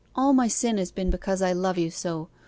All my sin has been because I love you so!